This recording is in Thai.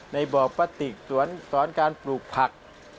ในบ่อปฏิกษ์สอนการปลูกผัก